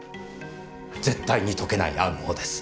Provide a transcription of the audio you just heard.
絶対に解けない暗号です。